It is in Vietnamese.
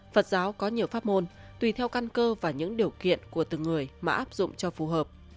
phật giáo có nhiều phát ngôn tùy theo căn cơ và những điều kiện của từng người mà áp dụng cho phù hợp